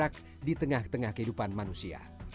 dan akan terus berkembang di tengah tengah kehidupan manusia